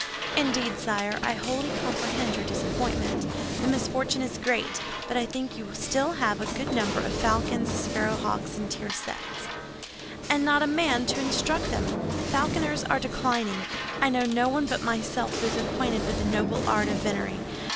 "Indeed, sire, I wholly comprehend your disappointment. The misfortune is great; but I think you have still a good number of falcons, sparrow hawks, and tiercels." "And not a man to instruct them. Falconers are declining. I know no one but myself who is acquainted with the noble art of venery.